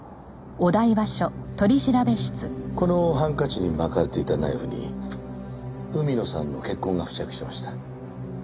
このハンカチに巻かれていたナイフに海野さんの血痕が付着してました。